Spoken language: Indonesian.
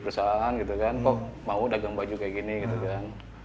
perusahaan gitu kan kok mau dagang baju kayak gini gitu kan